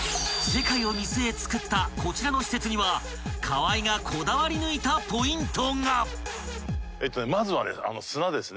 ［世界を見据え造ったこちらの施設には川合がこだわり抜いたポイントが］